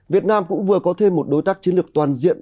việt nam cũng vừa có thêm một đối tác chiến lược toàn diện